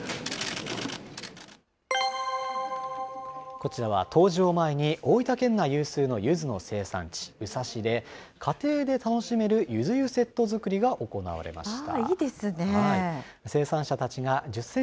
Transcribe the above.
こちらは冬至を前に、大分県内有数のゆずの生産地、宇佐市で、家庭で楽しめるゆず湯セット作りが行われました。